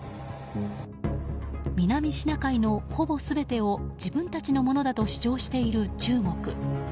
南シナ海のほぼ全てを自分たちのものだと主張している中国。